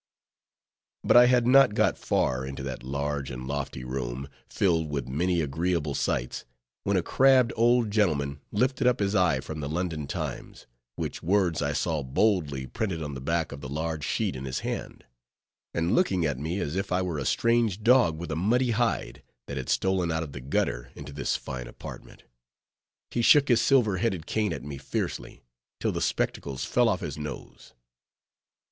But I had not got far into that large and lofty room, filled with many agreeable sights, when a crabbed old gentleman lifted up his eye from the London Times, which words I saw boldly printed on the back of the large sheet in his hand, and looking at me as if I were a strange dog with a muddy hide, that had stolen out of the gutter into this fine apartment, he shook his silver headed cane at me fiercely, till the spectacles fell off his nose.